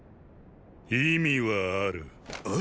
意味はある。？